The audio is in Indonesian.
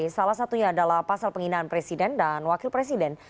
salah satunya adalah pasal penghinaan presiden dan wakil presiden